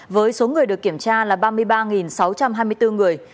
với số người được kiểm tra là ba mươi ba sáu trăm hai mươi bốn người